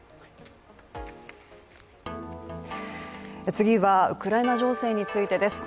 次はウクライナ情勢についてです。